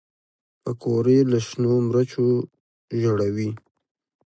پکورې له شنو مرچو ژړوي